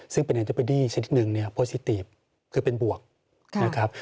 ซึ่งเป็นชนิดหนึ่งเนี่ยคือเป็นบวกนะครับ